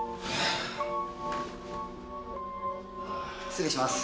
失礼します。